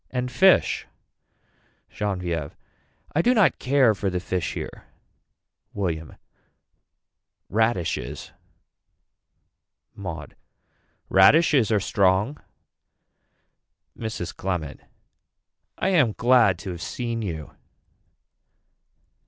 And fish. Genevieve. I do not care for the fish here. William. Radishes. Maud. Radishes are strong. Mrs. Clement. I am glad to have seen you.